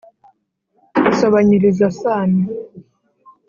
isobanyiriza sano